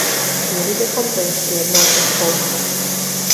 Měli bychom to ještě jednou prozkoumat.